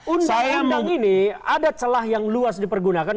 undang undang ini ada celah yang luas dipergunakan